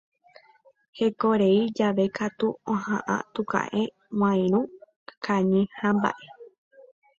Hekorei jave katu oha'ã tuka'ẽ, kuãirũ kañy hamba'e.